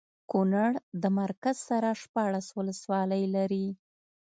کونړ د مرکز سره شپاړس ولسوالۍ لري